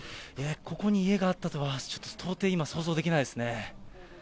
ここに家があったとは、ちょっと到底、今想像できないですね。